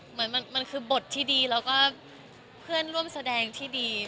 เหมือนมันคือบทที่ดีแล้วก็เพื่อนร่วมแสดงที่ดี